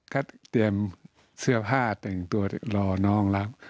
ก็เตรียมเสื้อผ้าแต่งตัวรอน้องรับ